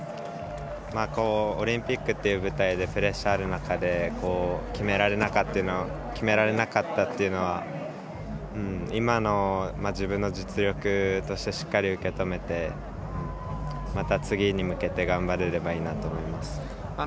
オリンピックという舞台でプレッシャーがあるなかで決められなかったっていうのは今の自分の実力としてしっかり受け止めてまた、次に向けて頑張れればいいなと思います。